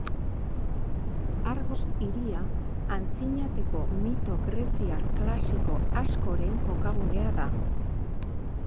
Argos hiria antzinateko mito greziar klasiko askoren kokagunea da.